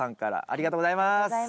ありがとうございます。